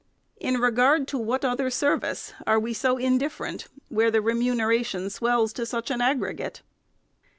In regard to what other service are we so indifferent, where the re muneration swells to such an aggregate